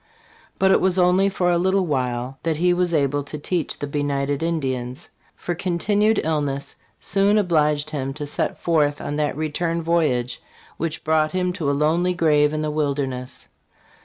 But it was only for a little while that he was able to teach the benighted Indians; for "continued illness soon obliged him to set forth on that return voyage which brought him to a lonely grave in the wilderness."